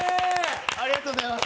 ありがとうございます！